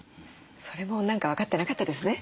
それも何か分かってなかったですね。